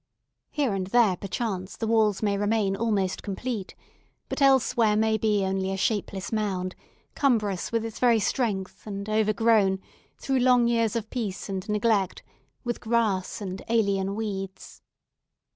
Here and there, perchance, the walls may remain almost complete; but elsewhere may be only a shapeless mound, cumbrous with its very strength, and overgrown, through long years of peace and neglect, with grass and alien weeds.